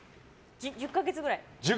１０か月ぐらい。